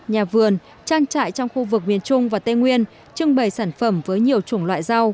nhà vườn trang trại trong khu vực miền trung và tây nguyên trưng bày sản phẩm với nhiều chủng loại rau